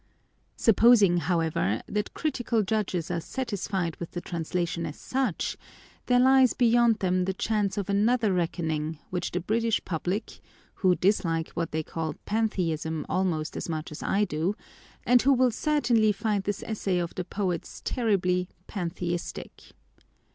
Supposing, however, that critical judges are satisfied with the translation as such, there hes beyond them the chance of another reckoning with the British public, who dislike what they call ‘‘Pantheism” almost as much as I do, and who will certainly find this essay of the poet’s terribly Pantheistic.